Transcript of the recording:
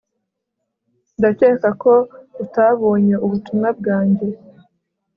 ndakeka ko utabonye ubutumwa bwanjye